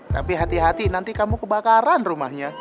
tapi hati hati nanti kamu kebakaran rumahnya